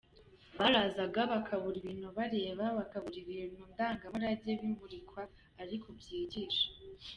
Barazaga bakabura ibintu bareba, bakabura ibintu ndangamurage bimurikwa ariko byigisha.